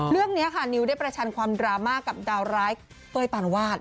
เรื่องนี้ค่ะนิวได้ประชันความดราม่ากับดาวร้ายเป้ยปานวาด